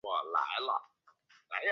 她的哥哥原田宗典也是小说家。